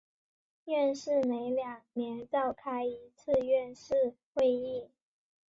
院士每两年召开一次院士会议。